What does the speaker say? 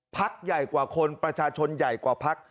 พักใหญ่กว่าคนประชาชนใหญ่กว่าพัก